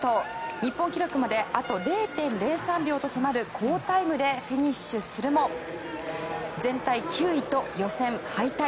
日本記録まであと０．０３秒と迫る好タイムでフィニッシュするも全体９位と予選敗退。